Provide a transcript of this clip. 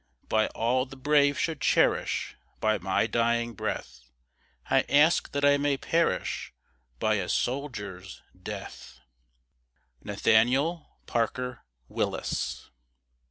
By all the brave should cherish, By my dying breath, I ask that I may perish By a soldier's death! NATHANIEL PARKER WILLIS.